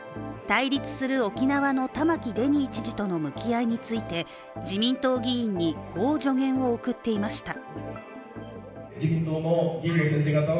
対立する沖縄の玉城デニー知事との向き合いについて自民党議員にこう助言を送っていました。